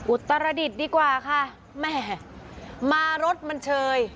อุตรดิษฐ์ดีกว่าค่ะแม่มารถมันเชย